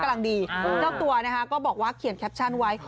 เจ้าตัวนะคะก็บอกว่าเขียนแคปชั่นไว้